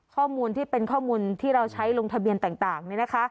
ข้อมูลที่เราใช้ลงทะเบียนต่าง